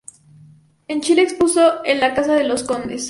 En Chile, expuso en la Casa de Las Condes.